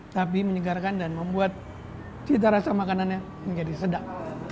tapi menyegarkan dan membuat cita rasa makanannya menjadi sedap